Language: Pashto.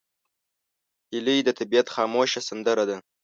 هیلۍ د طبیعت خاموشه سندره ده